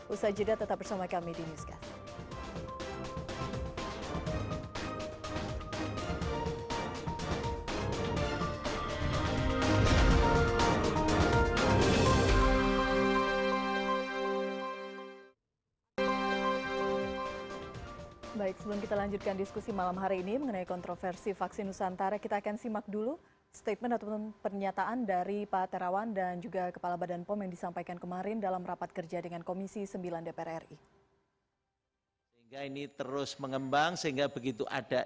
ustadz jeddah tetap bersama kami di newscast